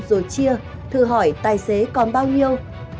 rồi chia thử hỏi tài xế còn bao nhiêu